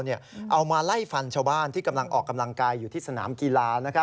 เอามาไล่ฟันชาวบ้านที่กำลังออกกำลังกายอยู่ที่สนามกีฬา